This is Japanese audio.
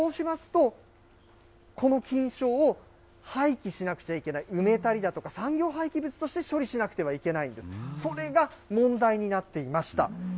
そうしますと、この菌床を廃棄しなくちゃいけない、埋めたりだとか、産業廃棄物として処理しなくてはいけないんです。それが問題になっていました。